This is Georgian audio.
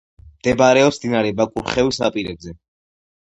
მდებარეობს მდინარე ბაკურხევის ნაპირებზე.